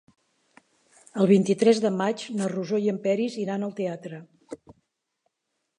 El vint-i-tres de maig na Rosó i en Peris iran al teatre.